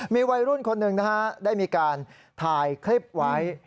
มีวัยรุ่นคนหนึ่งนะฮะได้มีการถ่ายคลิปไว้